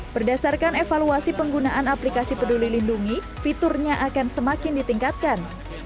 berdasarkan evaluasi penggunaan aplikasi peduli lindungi fiturnya akan semakin ditingkatkan